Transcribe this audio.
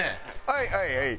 はいはいはい！